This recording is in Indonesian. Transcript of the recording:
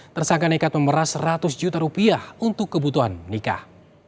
tersangka nekat memeras seratus juta rupiah untuk kebutuhan nikah